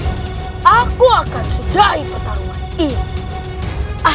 untuk apa kita lanjutkan pertarungan ini